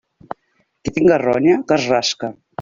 Qui tinga ronya, que es rasque.